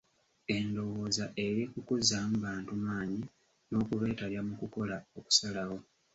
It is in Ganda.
Endowooza eri ku kuzzaamu bantu maanyi n'okubeetabya mu kukola okusalawo.